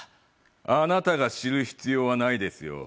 あなたが知る必要はないですよ。